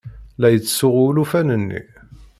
La yettsuɣu ulufan-nni.